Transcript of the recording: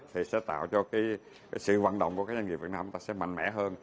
thì sẽ tạo cho sự vận động của các doanh nghiệp việt nam sẽ mạnh mẽ hơn